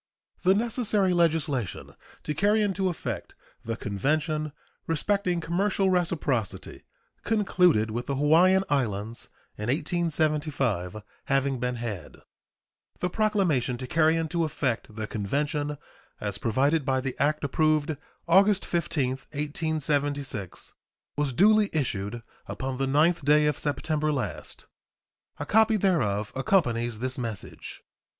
The necessary legislation to carry into effect the convention respecting commercial reciprocity concluded with the Hawaiian Islands in 1875 having been had, the proclamation to carry into effect the convention, as provided by the act approved August 15, 1876, was duly issued upon the 9th day of September last. A copy thereof accompanies this message.